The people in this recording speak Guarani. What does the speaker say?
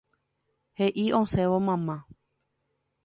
He'i osẽvo mamá.